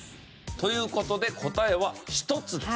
という事で答えは１つです。